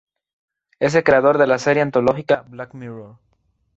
Es el creador de la serie antológica "Black Mirror".